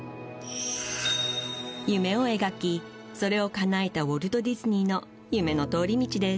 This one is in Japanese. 夢を描きそれをかなえたウォルト・ディズニーの夢の通り道です